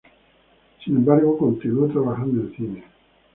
Sin embargo, continuó trabajando en cine.